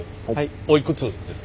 おいくつですか？